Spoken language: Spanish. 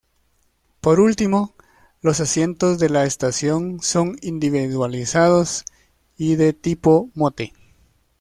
Por último, los asientos de la estación son individualizados y de tipo "Motte".